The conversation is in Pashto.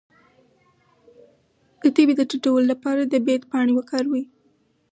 د تبې د ټیټولو لپاره د بید پاڼې وکاروئ